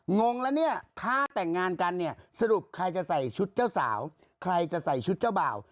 งงแล้วเนี่ยถ้าแต่งงานกันเนี่ยสรุปใครจะใส่ชุดเจ้าสาวใครจะใส่ชุดเจ้าบ่าว